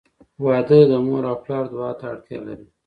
• واده د مور او پلار دعا ته اړتیا لري.